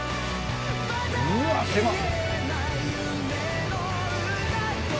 うわ狭っ。